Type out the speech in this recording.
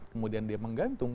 kemudian dia menggantung